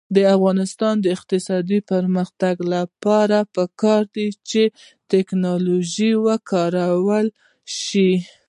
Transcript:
د افغانستان د اقتصادي پرمختګ لپاره پکار ده چې ټیکنالوژي وکارول شي.